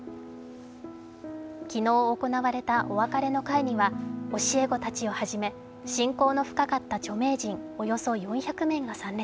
昨日行われたお別れの会には教え子たちをはじめ親交の深かった著名人、およそ４００名が参列。